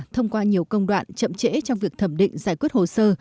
thông qua nhiều công đoạn chậm trễ trong việc thẩm định giải quyết hồ sơ